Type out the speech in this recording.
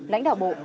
lãnh đạo bộ